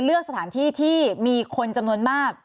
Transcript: เลือกสถานที่ที่มีคนจำนวนมาก